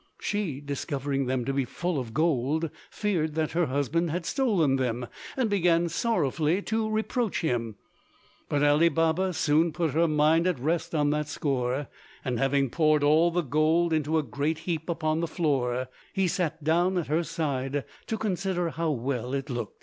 She, discovering them to be full of gold, feared that her husband had stolen them, and began sorrowfully to reproach him; but Ali Baba soon put her mind at rest on that score, and having poured all the gold into a great heap upon the floor he sat down at her side to consider how well it looked.